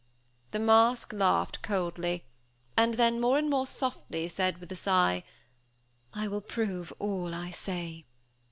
The masque laughed coldly, and then, more and more softly, said, with a sigh, "I will prove all I say."